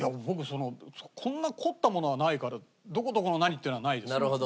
僕そのこんな凝ったものはないからどこどこの何っていうのはないですね。